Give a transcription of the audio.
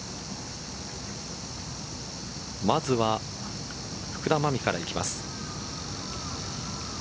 まずは福田真未からいきます。